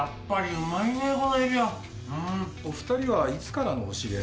お二人はいつからのお知り合いなんですか？